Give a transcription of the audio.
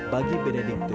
bagi beda di kutus yohan